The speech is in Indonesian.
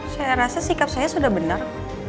saya rasa sikap saya sudah benar